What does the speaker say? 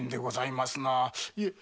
いえ。